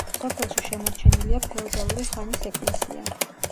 სოფელში შემორჩენილია ფეოდალური ხანის ეკლესია.